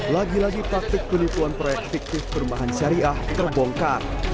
lagi lagi praktik penipuan proyek fiktif berbahan syariah terbongkar